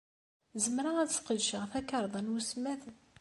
Zemreɣ ad sqedceɣ takarḍa n wesmad?